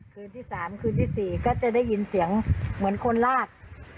คืนที่๓คืนที่๔ก็จะได้ยินเสียงเหมือนคนลาก